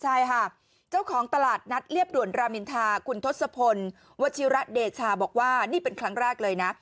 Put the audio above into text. ใช่ค่ะเจ้าของตลาดนัดเรียบด่วนรามินทาคุณทศพลวัชิระเดชาบอกว่านี่เป็นครั้งแรกเลยนะ